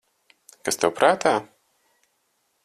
Kas tev prātā?